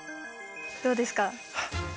どうですか？